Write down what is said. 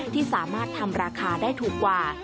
ที่สามารถทำราคาได้ถูกกว่า